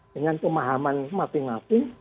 dengan pemahaman mati mati